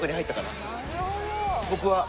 僕は。